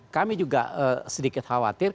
kami juga sedikit khawatir